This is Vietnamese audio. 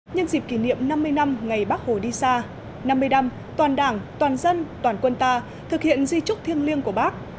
nhân dịp kỷ niệm năm mươi năm ngày bác hồ đi xa năm mươi năm toàn đảng toàn dân toàn quân ta thực hiện di trúc thiêng liêng của bác